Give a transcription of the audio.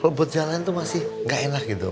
rebut jalan itu masih gak enak gitu